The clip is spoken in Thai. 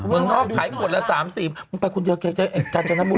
มึงต้องขายหมดละ๓๔มึงไปคุณเจอกันกับกัจจันทร์น้ำบุรุษ